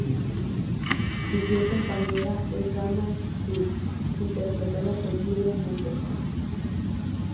Su fiel compañera es Dana Scully, interpretada por Gillian Anderson.